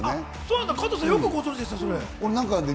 加藤さん、よくご存知ですね。